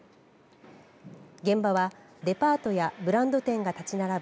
現場は、デパートやブランド店が立ち並ぶ